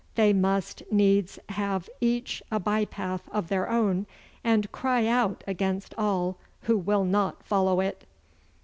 They must needs have each a by path of their own, and cry out against all who will not follow it.